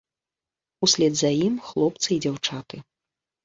Услед за ім хлопцы і дзяўчаты.